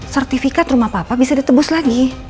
sertifikat rumah papa bisa ditebus lagi